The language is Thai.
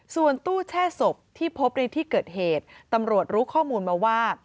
ส่วนตู้แช่ศพที่พบในที่เกิดเหตุตำรวจรู้ข้อมูลมาว่า